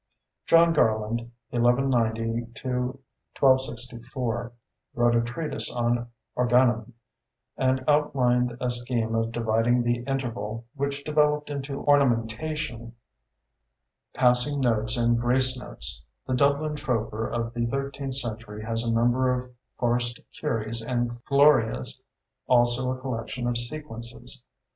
John Garland (1190 1264) wrote a treatise on Organum, and outlined a scheme of dividing the interval, which developed into ornamentation, passing notes, and grace notes. The Dublin Troper of the thirteenth century has a number of farced Kyries and Glorias, also a collection of Sequences.